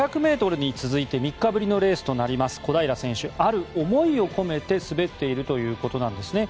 ５００ｍに続いて３日ぶりのレースとなる小平選手ある思いを込めて滑っているということなんです。